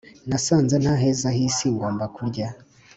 Nasanze ntaheza hisi ngomba kurya